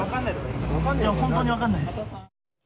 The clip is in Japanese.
本当に分かんないです。